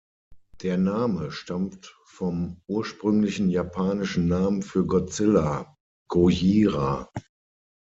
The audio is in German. Der Name stammt vom ursprünglichen japanischen Namen für Godzilla, „Gojira“.